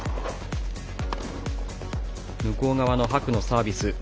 向こう側の白のサービス。